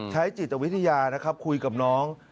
จิตวิทยานะครับคุยกับน้อง